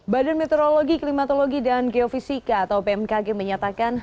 badan meteorologi klimatologi dan geofisika atau bmkg menyatakan